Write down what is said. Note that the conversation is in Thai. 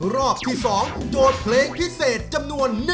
รอบที่๒โจทย์เพลงพิเศษจำนวน